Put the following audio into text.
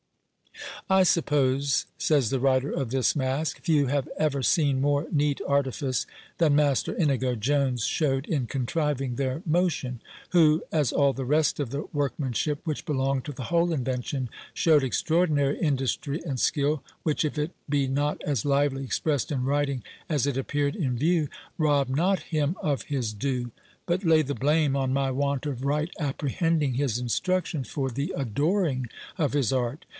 "I suppose," says the writer of this Masque, "few have ever seen more neat artifice than Master Inigo Jones showed in contriving their motion; who, as all the rest of the workmanship which belonged to the whole invention, showed extraordinary industry and skill, which if it be not as lively expressed in writing as it appeared in view, rob not him of his due, but lay the blame on my want of right apprehending his instructions, for the adoring of his art."